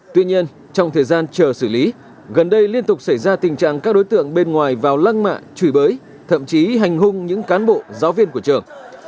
tuy nhiên trong thời gian chờ xử lý gần đây liên tục xảy ra tình trạng các đối tượng bên ngoài vào lăng mạ chửi bới thậm chí hành hung những cán bộ giáo viên của trường